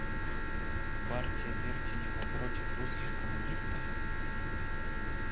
Партия Бертенева против русских коммунистов?